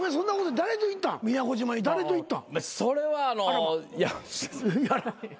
誰と行ったん？